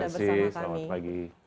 terima kasih selamat pagi